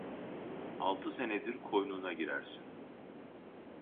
Altı senedir koynuna girersin!